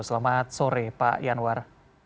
selamat sore pak yanwar